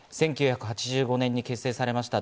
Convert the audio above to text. １９８５年に結成されました